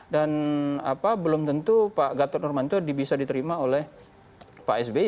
dan belum tentu pak gatot normantio bisa diterima oleh pak sbi